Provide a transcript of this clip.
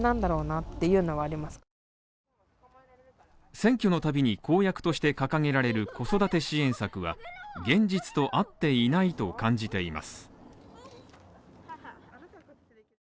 選挙のたびに公約として掲げられる子育て支援策は現実と合っていないと感じています。